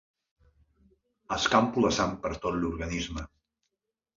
Escampo la sang per tot l'organisme.